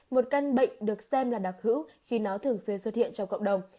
một căn bệnh được xem là đặc hữu khi nó thường xuyên xuất hiện trong cộng đồng